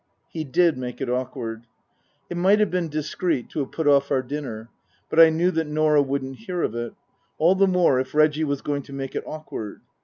He did make it awkward. It might have been discreet to have put off our dinner. But I knew that Norah wouldn't hear of it ; all the more if Reggie was going to make it awkward.